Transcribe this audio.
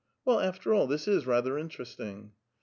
Well, after all, this is rather interesting."